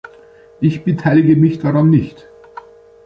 Ich beteilige mich daran nicht!